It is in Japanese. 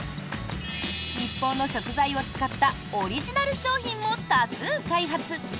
日本の食材を使ったオリジナル商品も多数開発！